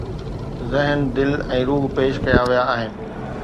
ذهن، دل ۽ روح پيش ڪيا ويا آهن